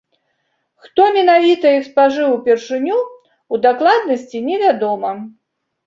Хто менавіта іх спажыў упершыню, у дакладнасці невядома.